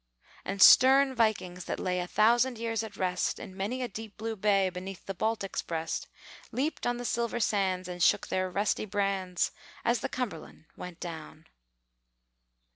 And stern Vikings that lay A thousand years at rest, In many a deep blue bay Beneath the Baltic's breast, Leaped on the silver sands, And shook their rusty brands, As the Cumberland went down.